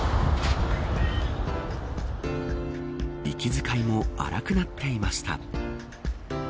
息遣いも荒くなっていました。